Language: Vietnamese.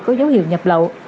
có dấu hiệu nhập lậu